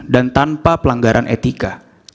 dan tanpa pelanggaran etika